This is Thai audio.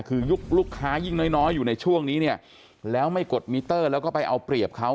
คือยุคลูกค้ายิ่งน้อยน้อยอยู่ในช่วงนี้เนี่ยแล้วไม่กดมิเตอร์แล้วก็ไปเอาเปรียบเขา